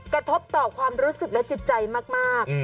กระทบต่อความรู้สึกและจิตใจมาก